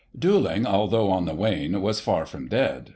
[1840 Duelling, although on the wane, was far from dead.